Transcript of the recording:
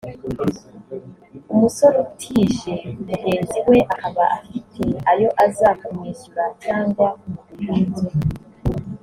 umusore utije mugenzi we akaba afite ayo aza kumwishyura cyangwa kumugurira inzoga